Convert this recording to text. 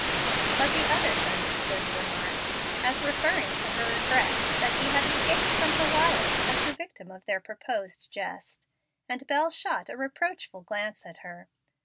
But the others understood the remark as referring to her regret that he had escaped from her wiles as the victim of their proposed jest, and Bel shot a reproachful glance at her.